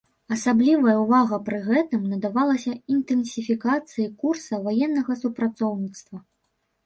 Асаблівая ўвага пры гэтым надавалася інтэнсіфікацыі курса ваеннага супрацоўніцтва.